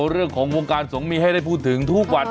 เรื่องของวงการสงฆ์มีให้ได้พูดถึงทุกวัน